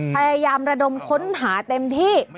พยายามระดมค้นหาเต็มที่